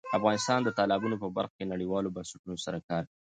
افغانستان د تالابونه په برخه کې نړیوالو بنسټونو سره کار کوي.